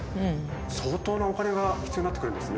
相当なお金が必要になってくるんですね。